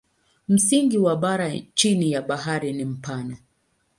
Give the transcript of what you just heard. Msingi wa bara chini ya bahari ni mpana.